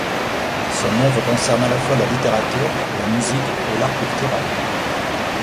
Son œuvre concerne à la fois la littérature, la musique et l'art pictural.